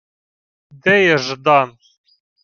— Де є Ждан?